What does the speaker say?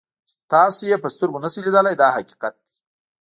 چې تاسو یې په سترګو نشئ لیدلی دا حقیقت دی.